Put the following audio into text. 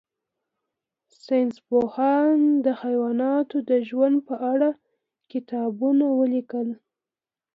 ساینس پوهانو د حیواناتو د ژوند په اړه کتابونه ولیکل.